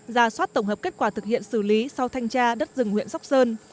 ra soát tổng hợp kết quả thực hiện xử lý sau thanh tra đất rừng huyện sóc sơn